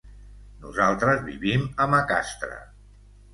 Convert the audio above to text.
Nosaltres vivim a Macastre.